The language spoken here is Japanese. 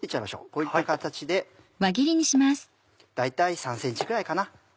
こういった形で大体３ｃｍぐらいかな。